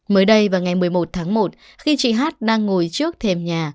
mới đây vào ngày một mươi một tháng một khi chị hát đang ngồi trước thềm nhà